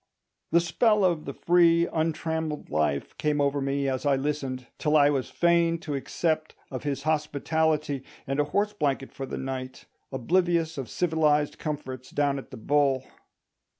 The spell of the free untrammelled life came over me as I listened, till I was fain to accept of his hospitality and a horse blanket for the night, oblivious of civilised comforts down at the Bull.